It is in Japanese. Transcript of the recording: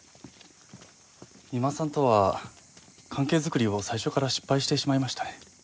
三馬さんとは関係作りを最初から失敗してしまいましたね。